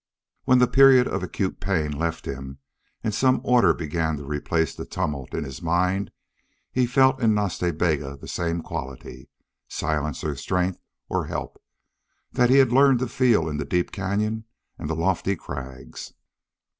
When the period of acute pain left him and some order began to replace the tumult in his mind he felt in Nas Ta Bega the same quality silence or strength or help that he had learned to feel in the deep cañon and the lofty crags.